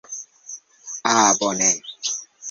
Ah bone!